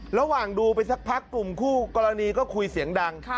ระหว่างดูไปสักพักกลุ่มคู่กรณีก็คุยเสียงดัง